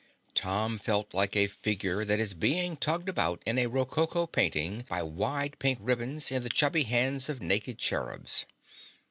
Tom felt like a figure that is being tugged about in a rococo painting by wide pink ribbons in the chubby hands of naked cherubs.